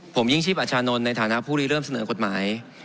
ผมยิ่งชีพอาชานนท์ในฐานะผู้รีเริ่มเสนอกฎหมาย